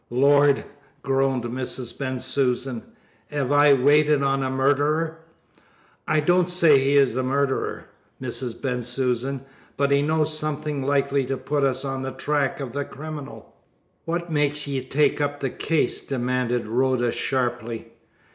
"Lord!" groaned Mrs. Bensusan. "'Ave I waited on a murderer?" "I don't say he is a murderer, Mrs. Bensusan, but he knows something likely to put us on the track of the criminal." "What makes ye take up the case?" demanded Rhoda sharply.